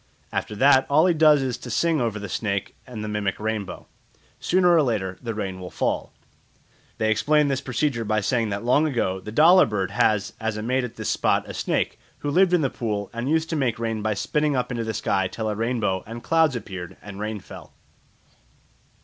After that all he does is to sing over the snake and the mimic rainbow; sooner or later the rain will fall. They explain this procedure by saying that long ago the dollar bird had as a mate at this spot a snake, who lived in the pool and used to make rain by spitting up into the sky till a rainbow and clouds appeared and rain fell.